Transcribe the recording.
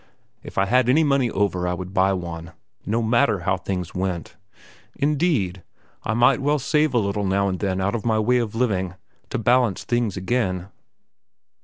If I had any money over I would buy one, no matter how things went; indeed, I might well save a little now and then out of my way of living to balance things again.